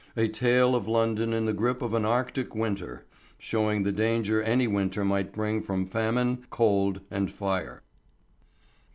A Tale of London in the Grip of an Arctic Winter Showing the Danger Any Winter might Bring from Famine, Cold, and Fire.